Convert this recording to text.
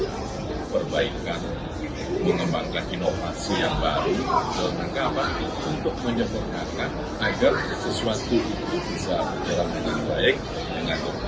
untuk perbaikan mengembangkan inovasi yang baru menanggapkan untuk menyebarkan agar sesuatu itu bisa menjalankan baik dengan konkret